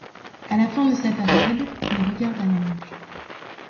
A la fin de sa période, il regarda l'ange.